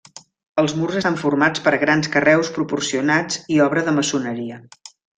Els murs estan formats per grans carreus proporcionats i obra de maçoneria.